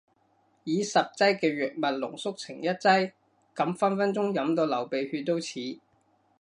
以十劑嘅藥物濃縮成一劑？咁分分鐘飲到流鼻血都似